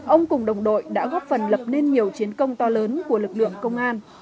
ông cùng đồng đội đã góp phần lập nên nhiều chiến công to lớn của lực lượng công an